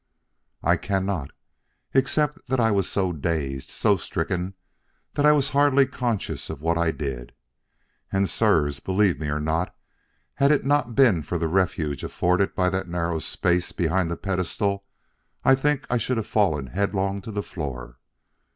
"I cannot, except that I was so dazed, so stricken, that I was hardly conscious of what I did. And, sirs, believe me or not, had it not been for the refuge afforded by that narrow space behind the pedestal, I think I should have fallen headlong to the floor.